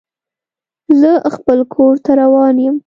زه خپل کور ته روان یم.